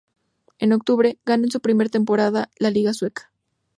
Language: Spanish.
En octubre, ganó en su primera temporada la liga sueca.